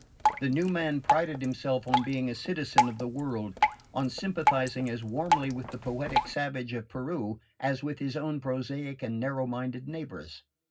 The new man prided himself on being a citizen of the world, on sympathising as warmly with the poetic savage of Peru as with his own prosaic and narrow minded neighbours.